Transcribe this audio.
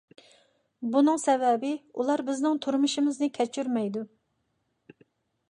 بۇنىڭ سەۋەبى، ئۇلار بىزنىڭ تۇرمۇشىمىزنى كەچۈرمەيدۇ.